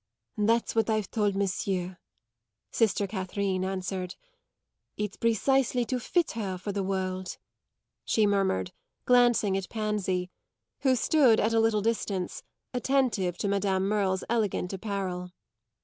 "That's what I've told monsieur," sister Catherine answered. "It's precisely to fit her for the world," she murmured, glancing at Pansy, who stood, at a little distance, attentive to Madame Merle's elegant apparel.